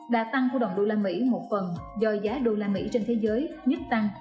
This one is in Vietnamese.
đã tăng của đồng đô la mỹ một phần do giá đô la mỹ trên thế giới nhất tăng